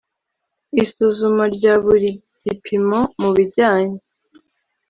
isuzuma rya buri gipimo mu bijyanye